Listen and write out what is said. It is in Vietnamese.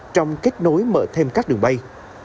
trong kết nối mở thêm các đường bay